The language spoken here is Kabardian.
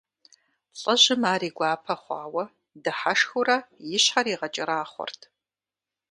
ЛӀыжьым ар и гуапэ хъуауэ дыхьэшхыурэ и щхьэр игъэкӀэрахъуэрт.